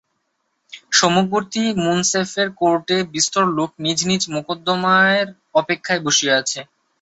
সম্মুখবর্তী মুন্সেফের কোর্টে বিস্তর লোক নিজ নিজ মোকদ্দমার অপেক্ষায় বসিয়া আছে।